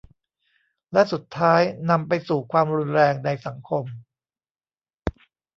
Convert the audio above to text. และสุดท้ายนำไปสู่ความรุนแรงในสังคม